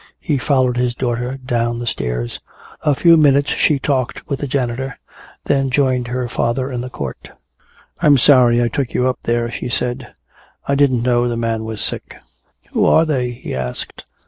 He followed his daughter down the stairs. A few minutes she talked with the janitor, then joined her father in the court. "I'm sorry I took you up there," she said. "I didn't know the man was sick." "Who are they?" he asked.